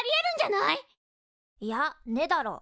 いやねえだろ。